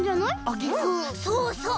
そうそう。